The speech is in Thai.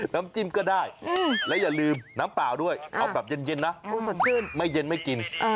น้ำจิ้มก็ได้และอย่าลืมน้ำเปล่าด้วยเอาแบบเย็นนะสดชื่นไม่เย็นไม่กิน